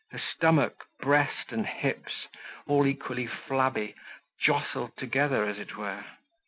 Her stomach, breast and hips, all equally flabby jostled together as it were.